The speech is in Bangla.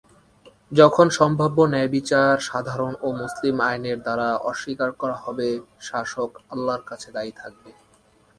যখন সম্ভব ন্যায়বিচার সাধারণ ও মুসলিম আইনের দ্বারা অস্বীকার করা হবে শাসক আল্লাহর কাছে দায়ী থাকবে।